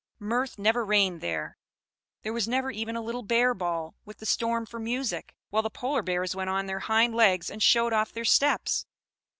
Mirth never reigned there; there was never even a little bear ball, with the storm for music, while the polar bears went on their hind legs and showed off their steps.